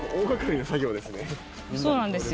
そうなんですよ。